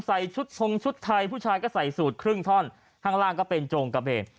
ใส่ชุดทรงชุดไทยผู้ชายก็ใส่สูตรครึ่งท่อนข้างล่างก็เป็นโจงกระเบน